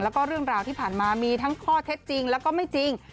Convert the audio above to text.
แล้วก็เรื่องราวที่ผ่านมามีทั้งข้อเท็จจริงแล้วก็ไม่จริง